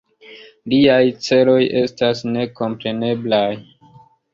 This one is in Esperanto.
Liaj celoj estas nekompreneblaj.